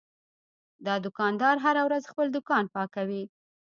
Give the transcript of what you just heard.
دا دوکاندار هره ورځ خپل دوکان پاکوي.